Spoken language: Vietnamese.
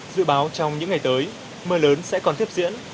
dự báo trong những ngày tới mưa lớn sẽ còn tiếp diễn